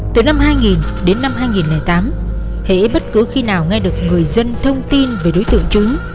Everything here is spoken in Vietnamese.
từ năm hai nghìn đến năm hai nghìn tám hễ bất cứ khi nào nghe được người dân thông tin về đối tượng trứng